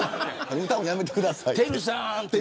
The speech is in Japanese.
歌をやめてくださいって。